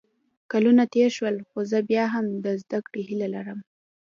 کلونه تېر شول خو زه بیا هم د زده کړې هیله لرم